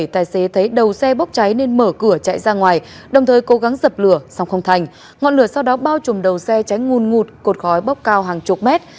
tài xế thấy đầu xe bốc cháy nên mở cửa chạy ra ngoài đồng thời cố gắng dập lửa xong không thành ngọn lửa sau đó bao trùm đầu xe cháy nguồn ngụt cột khói bốc cao hàng chục mét